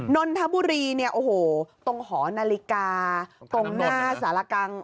นนท์ทะบุรีตรงหอนาฬิกาตรงหน้าสารกัง